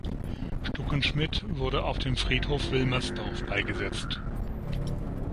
Stuckenschmidt wurde auf dem Friedhof Wilmersdorf beigesetzt.